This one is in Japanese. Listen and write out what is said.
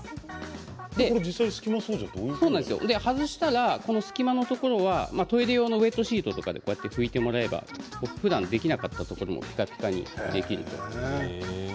外したらこの隙間のところはトイレ用のウエットシートとかで拭いてもらえればふだんできなかったところがピカピカにできると。